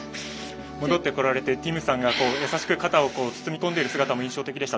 戻ってこられてティムさんが優しく肩を包み込んでいる姿が印象的でした。